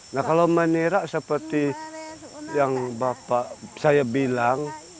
nah kalau menira seperti yang bapak saya bilang